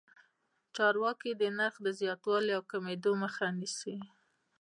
چارواکي د نرخ د زیاتوالي او کمېدو مخه نیسي.